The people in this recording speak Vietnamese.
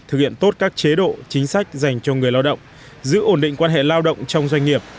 thực hiện tốt các chế độ chính sách dành cho người lao động giữ ổn định quan hệ lao động trong doanh nghiệp